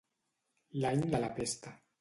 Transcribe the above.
L'any de la pesta.